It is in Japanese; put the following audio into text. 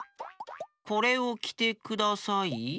「これをきてください」？